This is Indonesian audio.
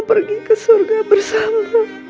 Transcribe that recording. pergi ke surga bersama